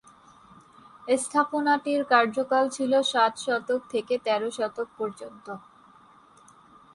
স্থাপনাটির কার্যকাল ছিল সাত শতক থেকে তের শতক পর্যন্ত।